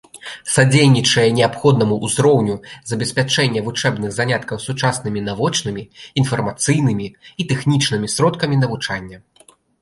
Садзейнічае неабходнаму ўзроўню забеспячэння вучэбных заняткаў сучаснымі навочнымі, інфармацыйнымі і тэхнічнымі сродкамі навучання.